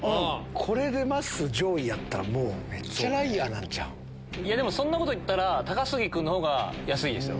これで上位やったらめっちゃライアーなんちゃう？でもそんなこと言ったら高杉君のほうが安いですよ。